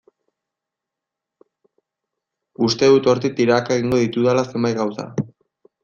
Uste dut hortik tiraka egingo ditudala zenbait gauza.